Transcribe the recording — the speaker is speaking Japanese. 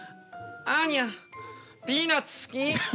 アーニャピーナツ好き。